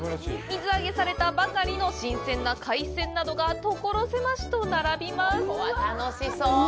水揚げされたばかりの新鮮な海鮮などが、所狭しと並びます。